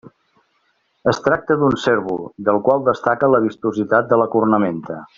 Es tracta d'un cérvol, del qual destaca la vistositat de la cornamenta.